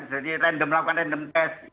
jadi random melakukan random test